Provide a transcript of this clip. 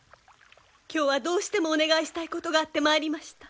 今日はどうしてもお願いしたいことがあって参りました。